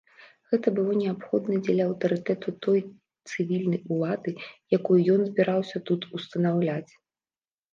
Гэта было неабходна дзеля аўтарытэту той цывільнай улады, якую ён збіраўся тут устанаўляць.